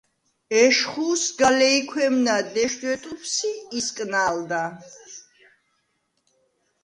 ეშხუ სგა ლეჲქვემნა დეშდვე ტუფს ი ისკნა̄ლდა.